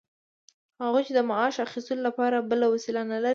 هغوی چې د معاش اخیستلو لپاره بله وسیله نلري